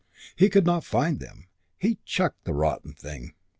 He could not find them. He chucked the rotten thing.